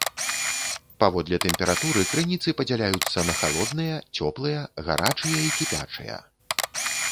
Паводле тэмпературы крыніцы падзяляюцца на халодныя, цёплыя, гарачыя і кіпячыя.